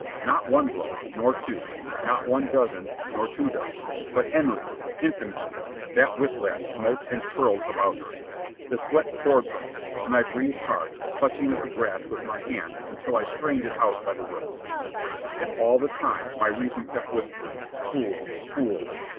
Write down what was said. Not one blow, nor two, not one dozen, nor two dozen, but endlessly, infinitely, that whip lash smote and curled about her. The sweat poured from me, and I breathed hard, clutching at the grass with my hands until I strained it out by the roots. And all the time my reason kept whispering, "Fool! Fool!"